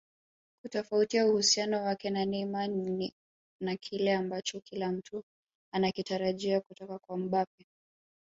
Kufuatia uhusiano wake na Neymar na kile ambacho kila mtu anakitarajia kutoka kwa Mbappe